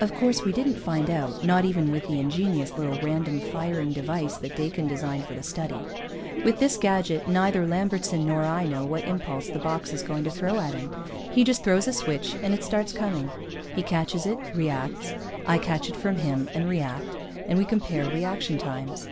Of course, we didn't find out, not even with the ingenious little random firing device that Dakin designed for the study. With this gadget, neither Lambertson nor I know what impulse the box is going to throw at him. He just throws a switch and it starts coming. He catches it, reacts, I catch it from him and react, and we compare reaction times.